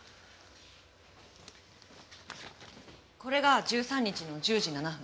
これが１３日の１０時７分。